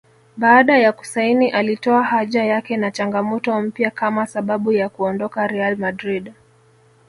Baada ya kusaini alitoa haja yake na changamoto mpya kama sababu ya kuondoka RealMadrid